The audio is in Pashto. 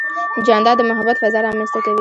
جانداد د محبت فضا رامنځته کوي.